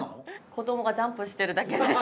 子どもがジャンプしてるだけ。